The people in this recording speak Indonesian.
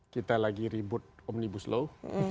kita lagi ribut omnibus law